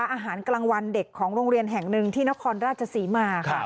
อาหารกลางวันเด็กของโรงเรียนแห่งหนึ่งที่นครราชศรีมาค่ะ